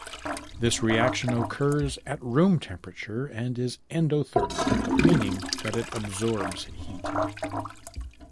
This reaction occurs at room temperature and is endothermic, meaning that it absorbs heat.